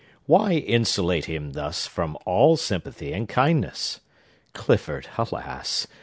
Why insulate him thus from all sympathy and kindness? Clifford, alas!